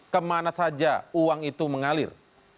kemana saja uang itu mengalir